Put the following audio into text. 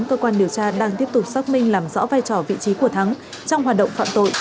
cơ quan điều tra đang tiếp tục xác minh làm rõ vai trò vị trí của thắng trong hoạt động phạm tội